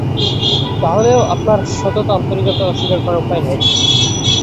তাহলেও আপনার সততা আন্তরিকতাকে অস্বীকার করার উপায় নেই।